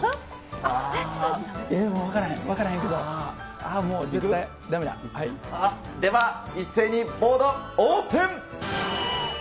さあ、では一斉にボードオープン。